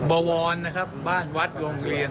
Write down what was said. บวรนะครับบ้านวัดโรงเรียน